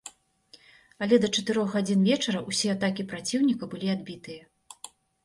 Але да чатырох гадзін вечара ўсе атакі праціўніка, былі адбітыя.